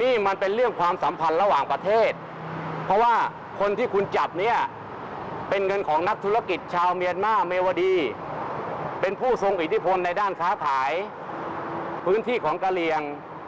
นี่มันเป็นเรื่องความสัมพันธ์ระหว่างประเทศเพราะว่าคนที่คุณจับเนี่ยเป็นเงินของนักธุรกิจชาวเมียนมาร์เมวดีเป็นผู้ทรงอิทธิพลในด้านค้าขายพื้นที่ของกะเรียง